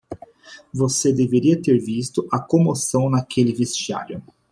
Você deveria ter visto a comoção naquele vestiário.